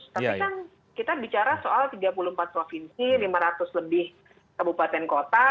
tapi kan kita bicara soal tiga puluh empat provinsi lima ratus lebih kabupaten kota